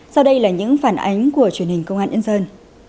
sau đây là những phản ánh của truyền hình công an yên sơn